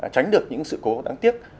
tránh được những sự cố đáng tiếc